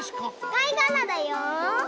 かいがらだよ！